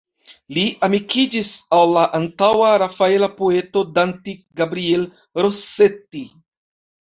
Li amikiĝis al la antaŭ-rafaela poeto Dante Gabriel Rossetti.